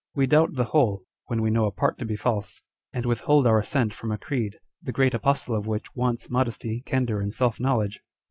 We doubt the whole, when we know a part to be false, and withhold our assent from a creed, the great apostle of which wants modesty, candour, and self knowledge